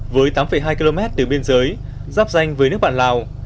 với tám hai km đường biên giới dắp danh với nước bản lào